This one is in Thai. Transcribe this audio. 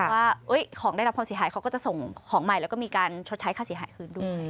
ว่าของได้รับความเสียหายเขาก็จะส่งของใหม่แล้วก็มีการชดใช้ค่าเสียหายคืนด้วย